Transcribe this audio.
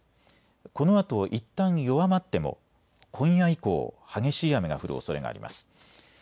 このあといったん弱まっても今夜以降、激しい雨が降るおそれがあります。